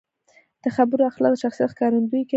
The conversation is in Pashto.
د خبرو اخلاق د شخصیت ښکارندويي کوي.